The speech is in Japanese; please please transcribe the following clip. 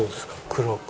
黒く。